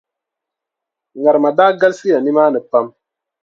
Ŋarima daa galisiya nimaani pam.